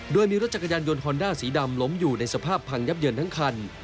โดยมีรถจักรยานยนต์ฮอนด้าสีดำล้มอยู่ในสภาพพังยับเยินทั้งคัน